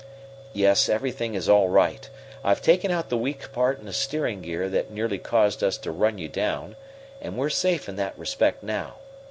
"Yes, everything is all right. I've taken out the weak part in the steering gear that nearly caused us to run you down, and we're safe in that respect now.